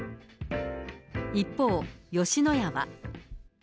一方、吉野家は。